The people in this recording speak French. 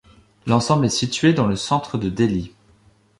L'ensemble est situé dans le centre de Delhi.